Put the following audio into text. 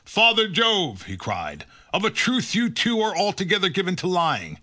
"Father Jove," he cried, "of a truth you too are altogether given to lying.